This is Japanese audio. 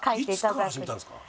いつから始めたんですか？